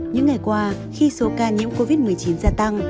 những ngày qua khi số ca nhiễm covid một mươi chín gia tăng